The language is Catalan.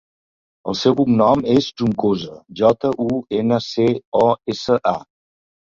El seu cognom és Juncosa: jota, u, ena, ce, o, essa, a.